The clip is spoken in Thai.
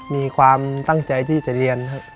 มีความตั้งใจที่จะเรียนครับ